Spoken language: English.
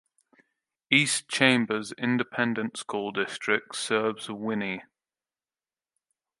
East Chambers Independent School District serves Winnie.